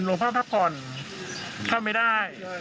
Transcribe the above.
หลวงพ่อพัฒน์เข้ามันไม่ได้